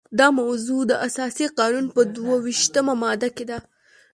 دا موضوع د اساسي قانون په دوه ویشتمه ماده کې ده.